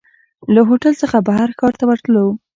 له هوټل څخه بهر ښار ته ووتلو.